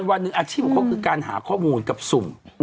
วันหนึ่งอาชีพของเขาคือการหาข้อมูลกับสุ่ม